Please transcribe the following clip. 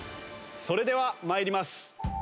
それでは参ります。